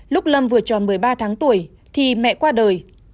lúc lâm vừa tròn một mươi ba tháng tuổi thì mẹ qua đời